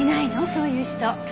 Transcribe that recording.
そういう人。